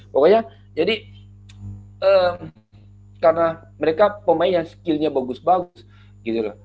pokoknya jadi karena mereka pemain yang skillnya bagus bagus gitu loh